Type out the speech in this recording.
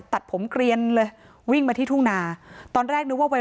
ตัดผมเกลียนเลยวิ่งมาที่ทุ่งนาตอนแรกนึกว่าวัย